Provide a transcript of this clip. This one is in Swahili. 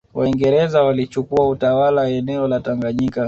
Waingereza walichukua utawala wa eneo la Tanganyika